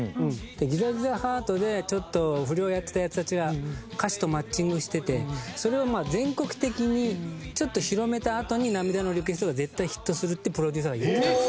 『ギザギザハート』でちょっと不良やってたヤツたちが歌詞とマッチングしててそれを全国的にちょっと広めたあとに『涙のリクエスト』が絶対ヒットするってプロデューサーが言ってたんです。